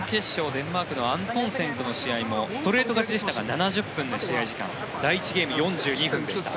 デンマークのアントンセンとの試合もストレート勝ちでしたが試合時間７０分で第１ゲーム、４２分でした。